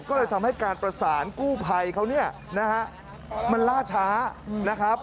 ก็เลยทำให้การประสานกู้ภัยเขามันล่าช้า